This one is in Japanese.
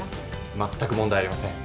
まったく問題ありません。